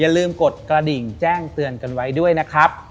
ลืมกดกระดิ่งแจ้งเตือนกันไว้ด้วยนะครับ